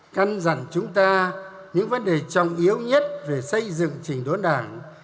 căn dặn chúng ta những vấn đề trọng yếu nhất về xây dựng trình đốn đảng